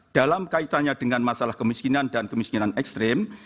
dalam kaitannya dengan masalah kemiskinan dan kemiskinan ekstrim